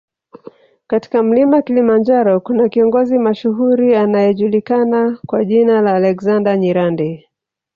katika mlima Kilimanjaro kuna kiongozi mashuhuri anayejulikana kwa jina la Alexander Nyirande